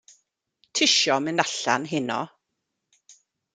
Tisio mynd allan heno?